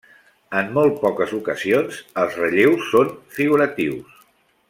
En molt poques ocasions, els relleus són figuratius.